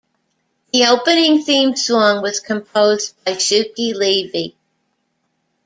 The opening theme song was composed by Shuki Levy.